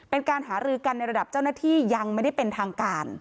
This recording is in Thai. เป็นการหารือกันในระดับเจ้าหน้าที่ยังไม่ได้เป็นทางการ